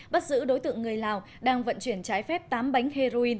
bắt giữ đối tượng người lào đang vận chuyển trái phép tám bánh heroin